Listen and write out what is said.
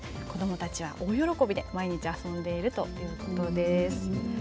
子どもたちは大喜びで毎日遊んでいるそうです。